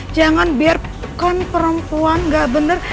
jangan biarkan perempuan gak bener